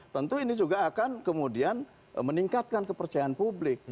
tentu ini juga akan kemudian meningkatkan kepercayaan publik